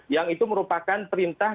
yang itu merupakan perintah